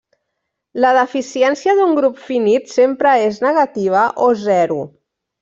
La deficiència d'un grup finit sempre és negativa o zero.